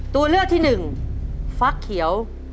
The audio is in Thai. ตัวเลือกที่๑ฟักเขียว